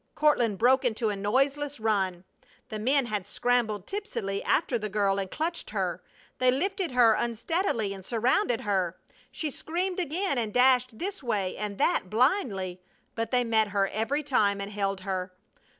Courtland broke into a noiseless run. The men had scrambled tipsily after the girl and clutched her. They lifted her unsteadily and surrounded her. She screamed again, and dashed this way and that blindly, but they met her every time and held her.